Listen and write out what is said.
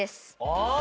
ああ！